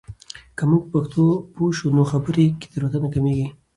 که موږ په پښتو پوه شو، نو خبرو کې تېروتنې کمېږي.